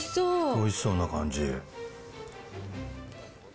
おいしそうな感じ。